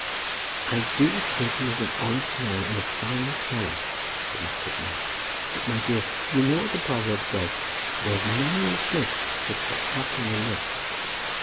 "I do think he is an honest man and a fine fellow," said Miss Prettyman; "but, my dear, you know what the proverb says, 'There's many a slip 'twixt the cup and the lip.'"